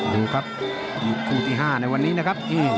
ดูครับอยู่คู่ที่ห้าในวันนี้นะครับ